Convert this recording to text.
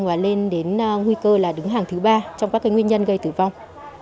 và lên đến nguy cơ là đứng hàng thứ ba trong các nguyên nhân gây tử vong